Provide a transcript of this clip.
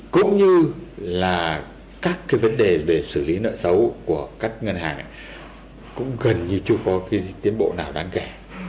cũng như là các cái vấn đề về xử lý nợ xấu của các ngân hàng cũng gần như chưa có cái tiến bộ nào đáng kể